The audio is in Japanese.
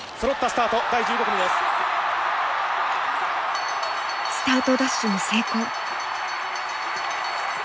スタートダッシュに成功。